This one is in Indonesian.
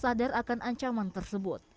sadar akan ancaman tersebut